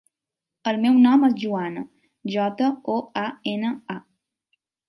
El meu nom és Joana: jota, o, a, ena, a.